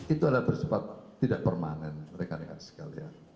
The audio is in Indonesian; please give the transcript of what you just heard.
itu adalah bersifat tidak permanen rekan rekan sekalian